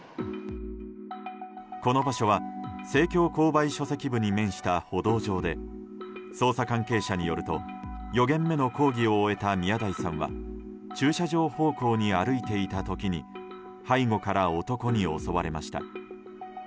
この場所は生協購買書籍部に面した歩道上で捜査関係者によると４限目の講義を終えた宮台さんは駐車場方向に歩いていた時に背後から男に襲われました。